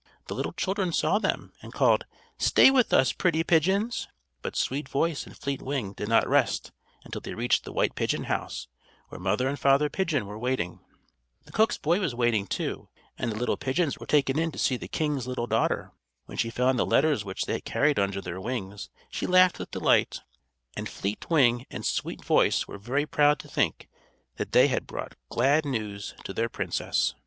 The little children saw them and called: "Stay with us, pretty pigeons." But Sweet Voice and Fleet Wing did not rest until they reached the white pigeon house, where Mother and Father Pigeon were waiting. The cook's boy was waiting, too, and the little pigeons were taken in to see the king's little daughter. When she found the letters which they carried under their wings, she laughed with delight; and Fleet Wing and Sweet Voice were very proud to think that they had brought glad news to their princess.